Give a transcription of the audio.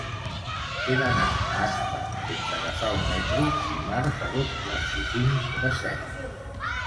He d'anar a Aspa sense agafar el metro dimarts a dos quarts i cinc de set.